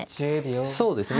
そうですね。